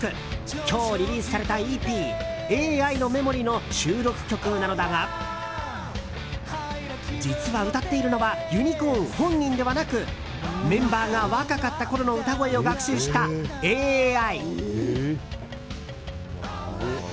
今日リリースされたＥＰ「ええ愛のメモリ」の収録曲なのだが実は、歌っているのはユニコーン本人ではなくメンバーが若かったころの歌声を学習したＡＩ。